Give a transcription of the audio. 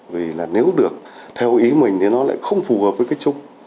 vì là nếu được theo ý mình thì nó lại không phù hợp với cái chung